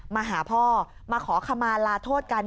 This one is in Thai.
มาหาพ่อมาขอขมาลาโทษกัน